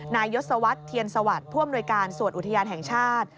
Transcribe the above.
นายยศวัฏเทียนสวัสเพราะมนุยการสวดอุทยานแห่งชาติ